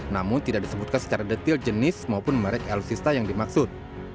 namun tidak disebutkan secara detil jenis maupun merek alutsista yang dimaksud